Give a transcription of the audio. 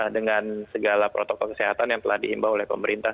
dengan segala protokol kesehatan yang telah diimbau oleh pemerintah